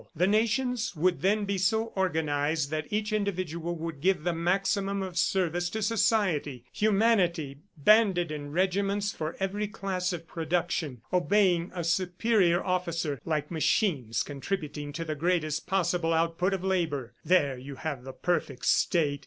The nations would then be so organized that each individual would give the maximum of service to society. Humanity, banded in regiments for every class of production, obeying a superior officer, like machines contributing the greatest possible output of labor there you have the perfect state!